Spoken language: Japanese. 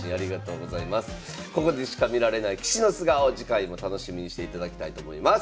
ここでしか見られない棋士の素顔次回も楽しみにしていただきたいと思います。